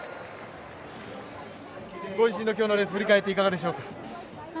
ご自身の今日のレース振り返っていかがでしょうか？